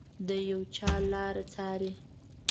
د یو چا لاره څاري